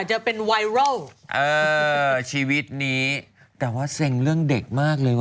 จะเป็นไวรัลเออชีวิตนี้แต่ว่าเซ็งเรื่องเด็กมากเลยวะ